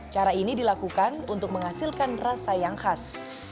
cara ini dilakukan untuk menghasilkan rasa yang khas